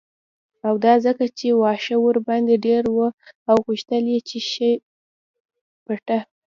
او دا ځکه چې واښه ورباندې ډیر و او غوښتل یې چې شي پټه